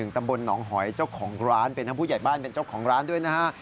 ตำบลหนองหอยเจ้าของร้านเป็นทั้งผู้ใหญ่บ้านเป็นเจ้าของร้านด้วยนะฮะ